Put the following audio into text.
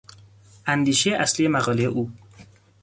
اندیشهی اصلی مقالهی او